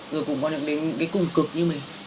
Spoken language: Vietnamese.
rồi cũng có được đến cái cùng cực như mình